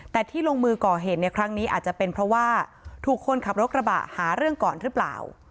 แต่ที่ลงมือก่อเหตุในครั้งนี้อาจจะเป็นเพราะว่าถูกคนขับรถกระบะหาเรื่องก่อนหรือเปล่า